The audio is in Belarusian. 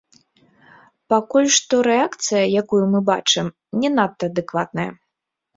Пакуль што рэакцыя, якую мы бачым, не надта адэкватная.